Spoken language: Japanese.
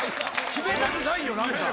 決めたくないよ何か。